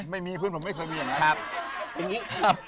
ไม่มีเพื่อนผมไม่เคยมีอย่างนั้น